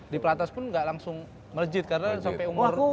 di pelatas pun gak langsung merjit karena sampe umur